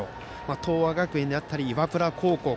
東亜学園であったり岩倉高校